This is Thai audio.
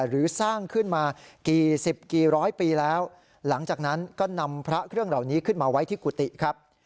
หรือสร้างขึ้นมากี่สิบกี่ร้อยปีแล้วหลังจากนั้นก็นำพระเครื่องเหล่านี้ขึ้นมาไว้ที่กุฏิครับ